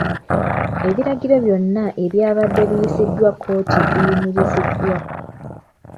Ebiragiro byonna ebyabadde biyisiddwa kkooti biyimiriziddwa.